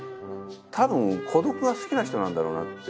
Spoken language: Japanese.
多分孤独が好きな人なんだろうなって